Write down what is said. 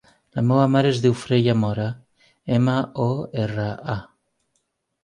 La meva mare es diu Freya Mora: ema, o, erra, a.